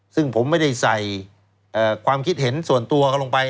ซึ่งผมไม่ได้ใส่ความคิดเห็นส่วนตัวก็ลงไป